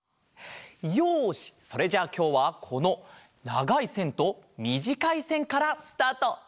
よしそれじゃあきょうはこのながいせんとみじかいせんからスタート！